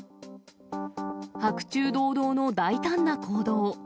白昼堂々の大胆な行動。